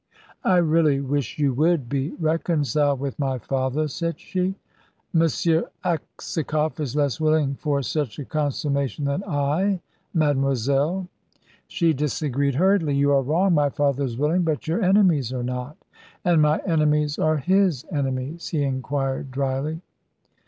"I really wish you would be reconciled with my father," said she. "M. Aksakoff is less willing for such a consummation than I, mademoiselle." She disagreed, hurriedly. "You are wrong. My father is willing, but your enemies are not." "And my enemies are his enemies?" he inquired dryly.